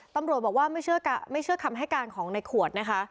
ตำรวจบอกว่าไม่เชื่อคำให้การของในขวดนะคะ